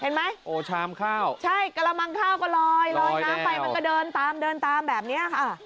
เห็นไหมโอ้ชามข้าวใช่กระมังข้าวก็ลอยลอยน้ำไปมันก็เดินตามเดินตามแบบนี้ค่ะ